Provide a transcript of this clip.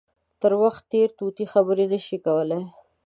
تر وخت تېر طوطي خبرې نه شي کولای.